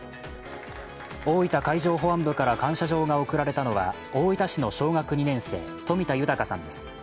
大分海上保安部から感謝状が贈られたのは大分市の小学２年生、冨田豊さんです。